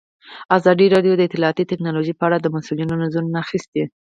ازادي راډیو د اطلاعاتی تکنالوژي په اړه د مسؤلینو نظرونه اخیستي.